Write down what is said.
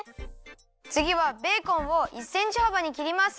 つぎはベーコンを１センチはばにきります。